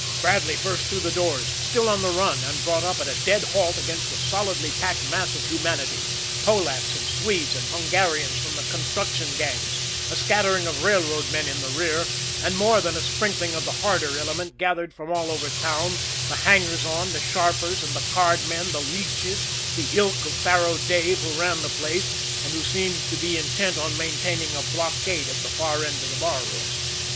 Bradley burst through the doors, still on the run and brought up at a dead halt against a solidly packed mass of humanity; Polacks and Swedes and Hungarians from the construction gangs; a scattering of railroad men in the rear; and more than a sprinkling of the harder element gathered from all over town, the hangers on, the sharpers, and the card men, the leeches, the ilk of Faro Dave who ran the place, and who seemed to be intent on maintaining a blockade at the far end of the barroom.